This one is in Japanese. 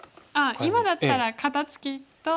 今だったら肩ツキと。